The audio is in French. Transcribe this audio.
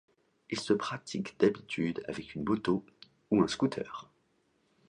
Il se pratique d'habitude avec une moto ou un scooter.